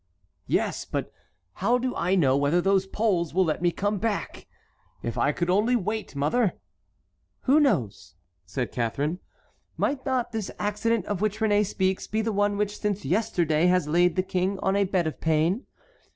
"Yes; but how do I know whether those Poles will let me come back? If I could only wait, mother!" "Who knows?" said Catharine; "might not this accident of which Réné speaks be the one which since yesterday has laid the King on a bed of pain?